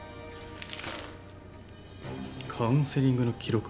カウンセリングの記録？